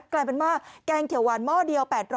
กลายเป็นว่าแกงเขียวหวานหม้อเดียว๘๐๐